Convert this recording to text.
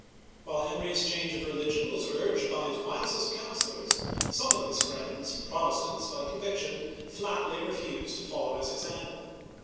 While Henry*s change of religion was urged by his wisest counselors, sorne of his friends, Protestants by con viction, flatly refused to follow his example.